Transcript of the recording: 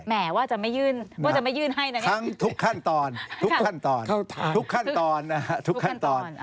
แหมว่าจะไม่ยื่นให้ทั้งทุกขั้นตอน